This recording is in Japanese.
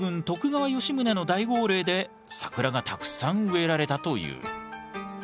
徳川吉宗の大号令で桜がたくさん植えられたという。